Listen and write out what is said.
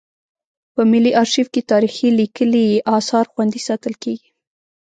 په ملي ارشیف کې تاریخي لیکلي اثار خوندي ساتل کیږي.